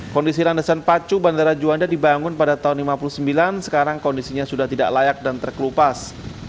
kondisi landasan pacu bandara juanda dibangun pada tahun seribu sembilan ratus lima puluh sembilan sekarang kondisinya sudah tidak layak dan terkelupas